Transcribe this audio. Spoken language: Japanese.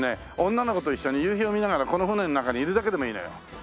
女の子と一緒に夕日を見ながらこの船の中にいるだけでもいいのよ。